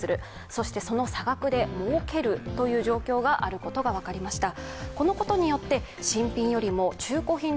そしてその差額がもうけるという状況があることが分かりました。